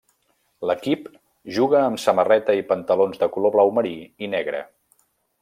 L'equip juga amb samarreta i pantalons de color blau marí i negre.